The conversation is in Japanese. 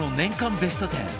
ベスト１０